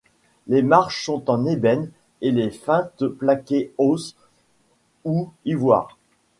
Les marches sont en ébène et les feintes plaquées os ou ivoire.